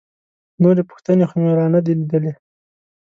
نورې پوښتنې خو مې لا نه دي لیدلي.